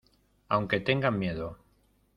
aunque tengan miedo.